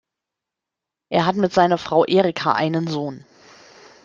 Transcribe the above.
Er hat mit seiner Frau Erika einen Sohn.